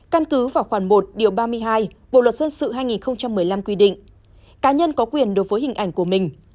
căn cứ vào khoảng một điều ba mươi hai bộ luật dân sự hai nghìn một mươi năm quy định cá nhân có quyền đối với hình ảnh của mình